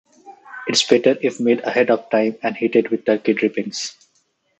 It's better if made ahead of time & heated with turkey drippings.